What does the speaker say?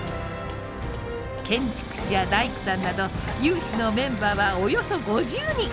建築士や大工さんなど有志のメンバーはおよそ５０人！